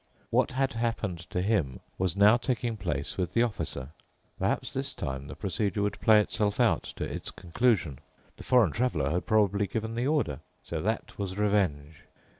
What had happened to him was now taking place with the Officer. Perhaps this time the procedure would play itself out to its conclusion. The foreign Traveler had probably given the order. So that was revenge.